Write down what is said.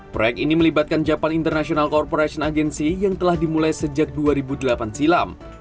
proyek ini melibatkan japan international corporation agency yang telah dimulai sejak dua ribu delapan silam